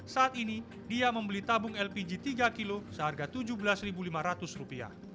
saat ini dia membeli tabung lpg tiga kg seharga rp tujuh belas lima ratus